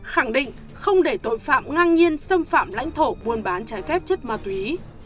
khẳng định không để tội phạm ngang nhiên xâm phạm lãnh thổ buôn bán trái phép chất ma túy